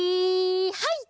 はい！